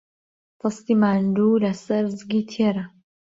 دەستی ماندوو لەسەر زگی تێرە.